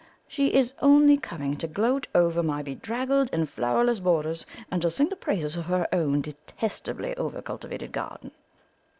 She is only coming to gloat over my bedraggled and flowerless borders and to sing the praises of her own detestably over cultivated garden.